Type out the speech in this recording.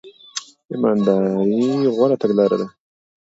ایمانداري غوره تګلاره ده.